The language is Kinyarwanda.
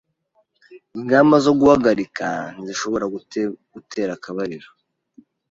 Ingamba zo guhagarika ntizishobora gutera akabariro